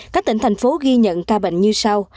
các tỉnh thành phố ghi nhận ca bệnh như sau